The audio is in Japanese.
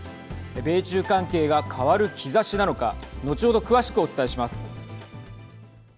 米中関係が変わる兆しなのか後ほど詳しくお伝えします。